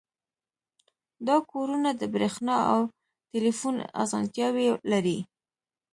دا کورونه د بریښنا او ټیلیفون اسانتیاوې لري